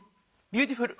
ビューティフル！